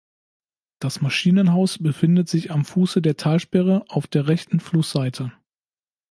Das Maschinenhaus befindet sich am Fuße der Talsperre auf der rechten Flussseite.